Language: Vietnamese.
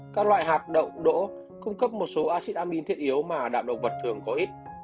các loại hạt đậu đỗ cung cấp một số acid amin thiết yếu mà đạm động vật thường có ít